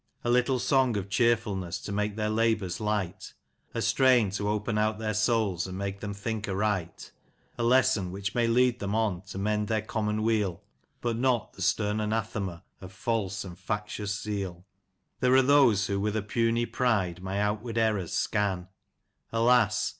A little song of cheerfulness to make their labours light ; A strain to open out their souls, and make them think aright ; A lesson which may lead them on to mend their common weal, But not the stern anathema of false and factious zeal. There are who with a puny pride my outward errors scan, Alas